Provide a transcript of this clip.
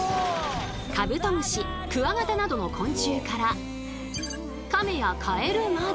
カブトムシクワガタなどの昆虫からカメやカエルまで。